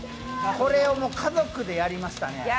これを家族でやりましたね。